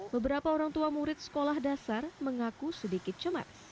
beberapa orang tua murid sekolah dasar mengaku sedikit cemas